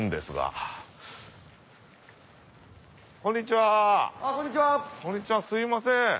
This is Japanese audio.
すいません。